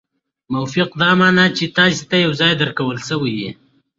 موقف دا مانا، چي تاسي ته یو ځای درکول سوی يي.